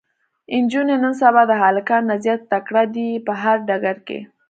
انجونې نن سبا د هلکانو نه زياته تکړه دي په هر ډګر کې